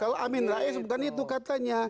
kalau amin rais bukan itu katanya